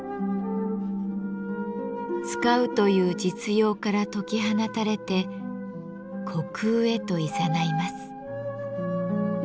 「使う」という実用から解き放たれて虚空へといざないます。